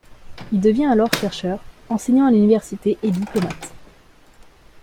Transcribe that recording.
Il devient alors chercheur, enseignant à l'université et diplomate.